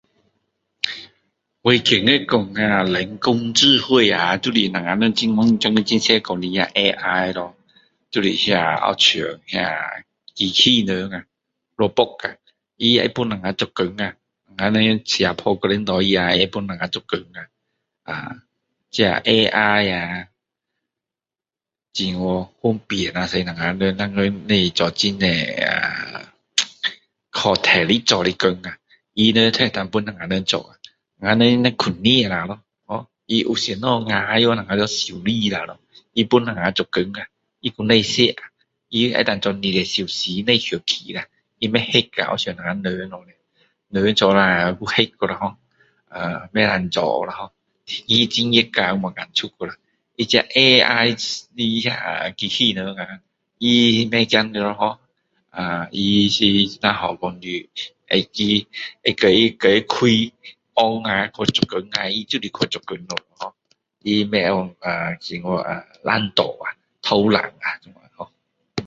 我觉得说啊，人工智慧啊就是我们现今时常说的AI咯，就是那些好像那些机器人啊，robot 啊。他会帮我们做工呀。我们人写program给它，它会帮我们做工啊。这AI呀，非常方便啊，使我们人以后不用做很多呀，靠体力做的工啊，它们都会帮我们做。我们人只是控制一下咯，它有什么坏了，我们修理一下咯。它帮我们做工呀，它又不用吃，它可以做24小时不用休气呀，它不累啊。好像我们人，人做下就累了咯【erm】不能做了咯。天气很热不敢出了咯。它这AI的那些机器人，它不怕，怎么说，它是总的来说按它要叫它开，on啊去做工啊，它就是去做工了呵。它不会学怎么懒惰啊呵，偷懒啊呵。